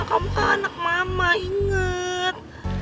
kamu kan anak mama inget